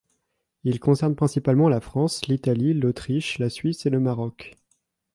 Il concerne principalement la France, l'Italie, l'Autriche, la Suisse et le Maroc.